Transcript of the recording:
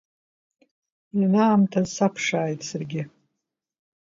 Ианаамҭаз саԥшааит саргьы.